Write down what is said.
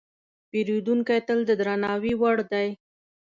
پیرودونکی تل د درناوي وړ دی.